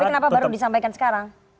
tapi kenapa baru disampaikan sekarang